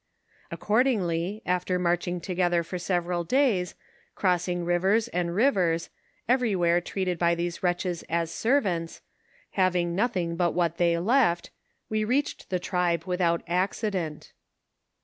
Accordingly, after marching together for several days, crossing rivers and rivers, everywhere treated by these wretches as servants, having nothing but what they left, we reached the tiibe with out accident.